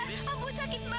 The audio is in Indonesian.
amu sakit mbak